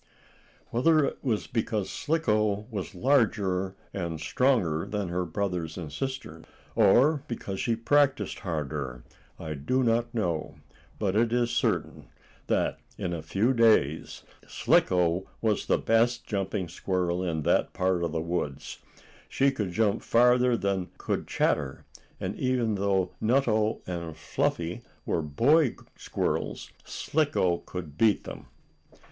Whether it was because Slicko was larger and stronger than her brothers and sister, or because she practiced harder, I do not know. But it is certain that, in a few days, Slicko was the best jumping squirrel in that part of the woods. She could jump farther than could Chatter, and even though Nutto and Fluffy were boy squirrels, Slicko could beat them.